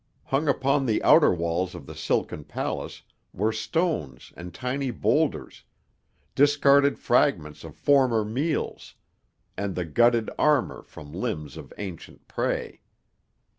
Hung upon the outer walls of the silken palace were stones and tiny boulders, discarded fragments of former meals, and the gutted armour from limbs of ancient prey.